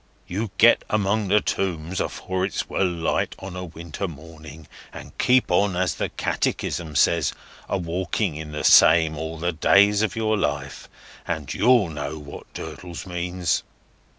You get among them Tombs afore it's well light on a winter morning, and keep on, as the Catechism says, a walking in the same all the days of your life, and you'll know what Durdles means."